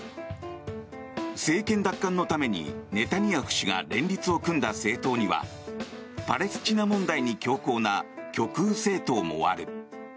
政権奪還のためにネタニヤフ氏が連立を組んだ政党にはパレスチナ問題に強硬な極右政党もある。